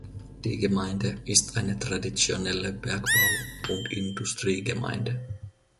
Die Gemeinde ist eine traditionelle Bergbau- und Industriegemeinde.